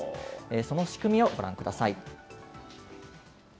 その仕組みをご覧ください。